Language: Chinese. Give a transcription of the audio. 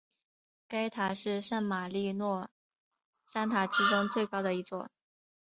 该塔是圣马利诺三塔之中最高的一座。